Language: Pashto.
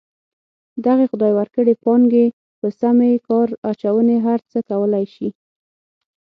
دغې خدای ورکړې پانګې په سمې کار اچونې هر څه کولی شي.